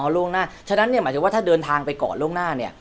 อ๋อโลกหน้าฉะนั้นเนี่ยหมายถึงว่าถ้าเดินทางไปเกาะโลกหน้าเนี่ย